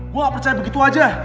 gue gak percaya begitu aja